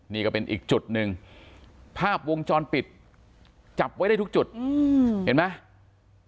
นี่ก็เป็นอีกจุดหนึ่งภาพวงจรปิดจับไว้ได้ทุกจุดเห็นไหม